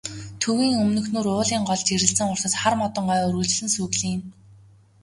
Төвийн өмнөхнүүр уулын гол жирэлзэн урсаж, хар модон ой үргэлжлэн сүглийнэ.